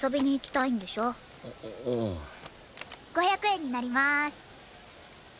５００円になります。